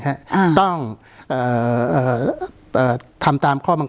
การแสดงความคิดเห็น